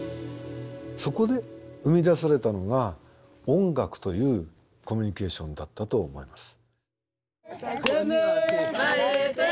そこで生み出されたのが音楽というコミュニケーションだったと思います。